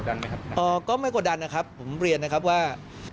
กดดันไหมครับก็ไม่กดดันนะครับผมเรียนนะครับว่า